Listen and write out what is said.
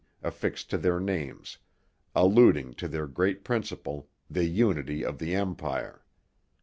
affixed to their names, alluding to their great principle, the unity of the empire.'